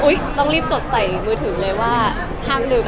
ต้องรีบจดใส่มือถือเลยว่าห้ามลืม